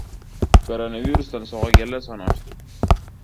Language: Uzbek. Koronavrusdan sog‘ayganlar soni oshdi